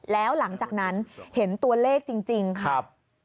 แล้วหลังจากนั้นเห็นตัวเลขจริงครับ